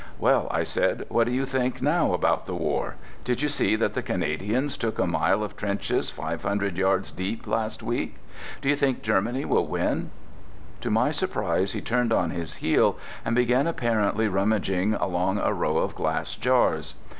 "Well," I said, "what do you think now about the war? Did you see that the Canadians took a mile of trenches five hundred yards deep last week? Do you still think Germany will win?" To my surprise he turned on his heel and began apparently rummaging along a row of glass jars.